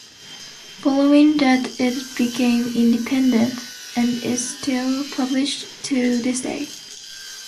Following that it became independent, and is still published to this day.